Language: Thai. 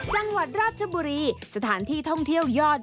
จังหวัดราชบุรีสถานที่ท่องเที่ยวยอด